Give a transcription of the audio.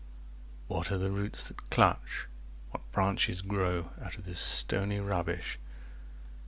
What are the roots that clutch, what branches grow Out of this stony rubbish?